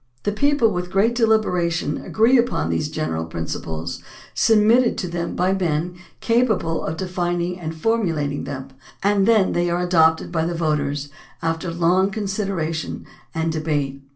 The people with great deliberation agree upon these general principles, submitted to them by men capable of defining and formulating them, and then they are adopted by the voters after long con sideration and debate.